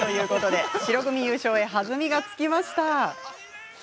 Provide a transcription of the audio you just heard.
白組優勝へ弾みがつきます。